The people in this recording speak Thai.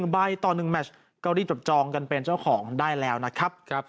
๑ใบต่อ๑แมชเกาหลีจดจองกันเป็นเจ้าของได้แล้วนะครับ